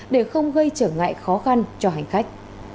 để không gây trở ngại khó khăn cho hành khách